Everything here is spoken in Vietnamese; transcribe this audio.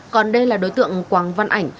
còn đây là đối tượng quảng văn ảnh